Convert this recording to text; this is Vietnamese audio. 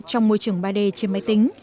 trong môi trường ba d trên máy tính